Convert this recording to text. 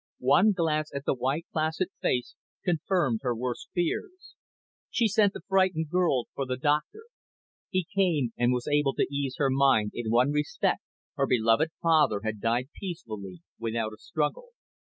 One glance at the white, placid face confirmed her worst fears. She sent the frightened girl for the doctor. He came, and was able to ease her mind in one respect her beloved father had died peacefully, without a struggle.